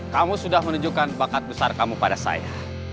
kamu sudah menunjukkan bakat besar kamu pada saya